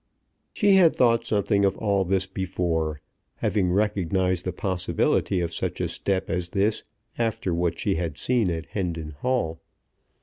She had thought something of all this before, having recognized the possibility of such a step as this after what she had seen at Hendon Hall.